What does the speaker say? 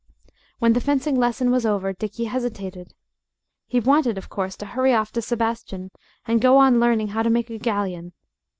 When the fencing lesson was over, Dickie hesitated. He wanted, of course, to hurry off to Sebastian and to go on learning how to make a galleon.